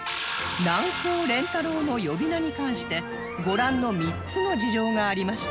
なんこう練太郎の呼び名に関してご覧の３つの事情がありましたが